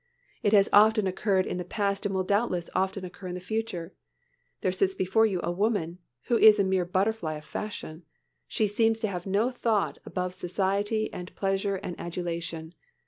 It has often occurred in the past and will doubtless often occur in the future. There sits before you a woman, who is a mere butterfly of fashion. She seems to have no thought above society and pleasure and adulation.